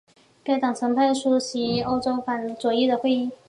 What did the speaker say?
该党曾派代表出席欧洲反资本主义左翼的会议。